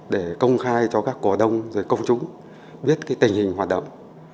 để công khai cho các cổ đông rồi công chúng biết tình hình hoạt động